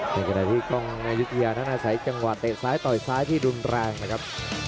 เป็นกระดาษที่กล้องยุคยาหน้าใส่จังหวัดเตะซ้ายต่อยซ้ายที่ดุนแรงนะครับ